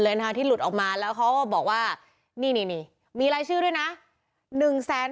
เลยนะคะที่หลุดออกมาแล้วเขาก็บอกว่านี่นี่มีรายชื่อด้วยนะหนึ่งแสน